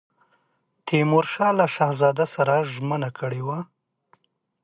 تیمورشاه له شهزاده سره ژمنه کړې وه.